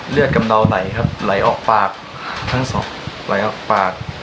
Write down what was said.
กำเดาไหลครับไหลออกปากทั้งสองไหลออกปาก